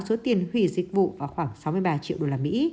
số tiền hủy dịch vụ vào khoảng sáu mươi ba triệu usd